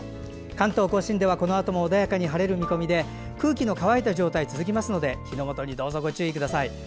関東・甲信ではこのあとも穏やかに晴れる見込みで空気の乾いた状態が続きますので火の元にどうぞご注意ください。